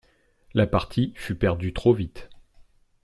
La partie fut perdue trop vite.